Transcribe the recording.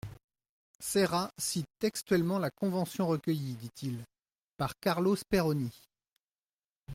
Serra cite textuellement la convention recueillie, dit-il, par Carlo Speroni.